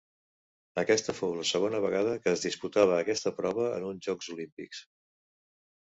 Aquesta fou la segona vegada que es disputava aquesta prova en uns Jocs Olímpics.